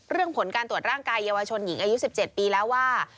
ผลการตรวจร่างกายเยาวชนหญิงอายุ๑๗ปีแล้วว่า